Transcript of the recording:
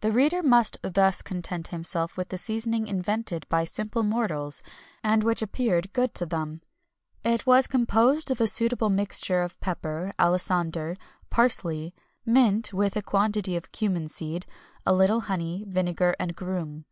The reader must thus content himself with the seasoning invented by simple mortals, and which appeared good to them. It was composed of a suitable mixture of pepper, alisander, parsley, mint, with a quantity of cummin seed, a little honey, vinegar, and garum.